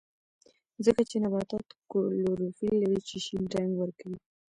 ځکه چې نباتات کلوروفیل لري چې شین رنګ ورکوي